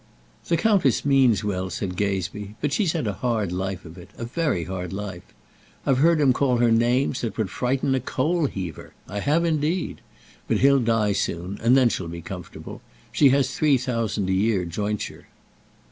"The countess means well," said Gazebee. "But she's had a hard life of it, a very hard life. I've heard him call her names that would frighten a coal heaver. I have, indeed. But he'll die soon, and then she'll be comfortable. She has three thousand a year jointure."